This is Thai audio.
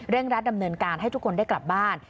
รัฐดำเนินการให้ทุกคนได้กลับบ้าน